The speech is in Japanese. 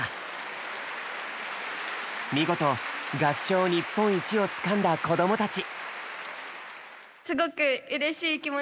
見事合唱日本一をつかんだ子供たち。